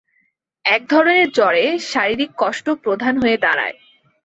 একধরনের জ্বরে শারীরিক কষ্ট প্রধান হয়ে দাঁড়ায়।